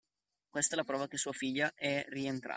Questa è la prova che sua figlia è rientrata!